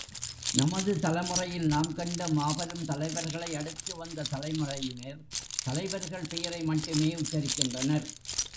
நமது தலைமுறையில் நாம் கண்ட மாபெருந்தலைவர்களையடுத்து வந்த தலைமுறையினர் தலைவர்கள் பெயரை மட்டுமே உச்சரிக்கின்றனர்.